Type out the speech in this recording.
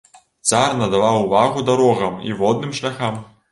Цар надаваў увагу дарогам і водным шляхам.